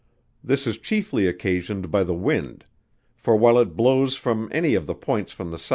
This is chiefly occasioned by the wind: for while it blows from any of the points from the S.W.